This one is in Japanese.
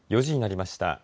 ４時になりました。